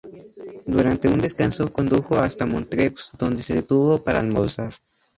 Durante un descanso, condujo hasta Montreux, donde se detuvo para almorzar.